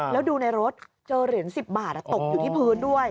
แล้วดูในรถเจอเหรียญ๑๐บาทตกอยู่ที่พื้นด้วย